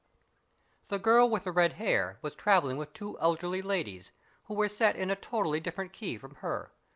The girl with the red hair was travelling with two elderly ladies, who were set in a totally differ ent key from her.